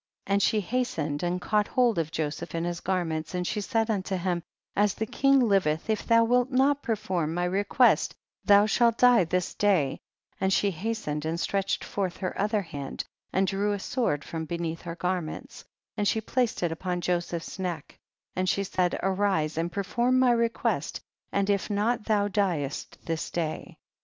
53. And she hastened and caught hold of Joseph and his garments, and she said unto him, as the king liveth if thou wilt not perform my request thou shalt die this day, and she has tened and stretched forth her other hand and drew a sword from beneath her garments, and she placed it upon Joseph's neck, and she said, rise and perform my request, and if not thou diest this day.